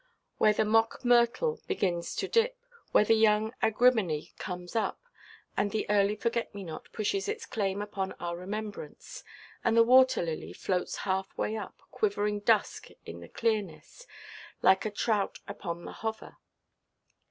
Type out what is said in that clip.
Where the mock–myrtle begins to dip, where the young agrimony comes up, and the early forget–me–not pushes its claim upon our remembrance, and the water–lily floats half–way up, quivering dusk in the clearness, like a trout upon the hover.